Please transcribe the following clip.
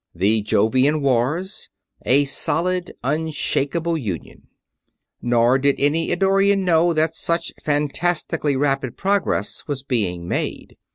The Jovian Wars. A solid, unshakeable union._ _Nor did any Eddorian know that such fantastically rapid progress was being made.